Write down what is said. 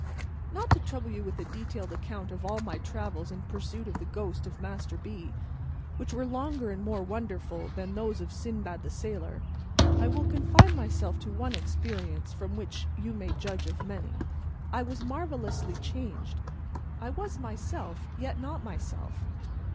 Not to trouble you with a detailed account of all my travels in pursuit of the ghost of Master B., which were longer and more wonderful than those of Sinbad the Sailor, I will confine myself to one experience from which you may judge of many. I was marvellously changed. I was myself, yet not myself.